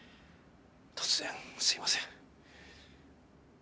突然すいません。